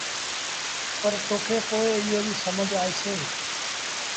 پر توکي پوء ايٚئي ريٚ سمجھ آئيٚسي۔